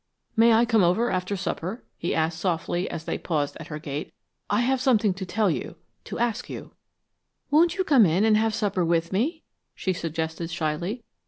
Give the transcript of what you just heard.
"May I come over after supper?" he asked, softly, as they paused at her gate. "I have something to tell you to ask you." "Won't you come in and have supper with me?" she suggested shyly.